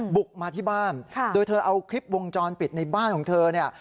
บุกมาที่บ้านโดยเธอเอาคลิปวงจรปิดในบ้านของเธอเนี่ย